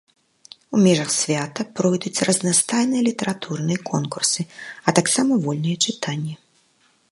У межах свята пройдуць разнастайныя літаратурныя конкурсы, а таксама вольныя чытанні.